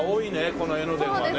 この江ノ電はね。